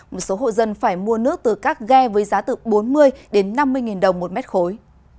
một số hộ dân phải mua nước từ các ghe với giá từ bốn mươi đến năm mươi nghìn đồng một mét khối